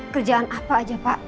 kerjaan apa aja pak